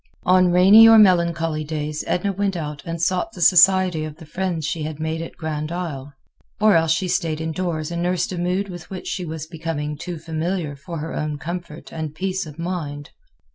On rainy or melancholy days Edna went out and sought the society of the friends she had made at Grand Isle. Or else she stayed indoors and nursed a mood with which she was becoming too familiar for her own comfort and peace of mind.